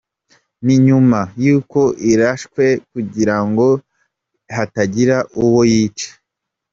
Ni nyuma y’uko irashwe kugira ngo hatagira uwo yica.